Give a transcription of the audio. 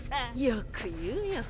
よく言うよ。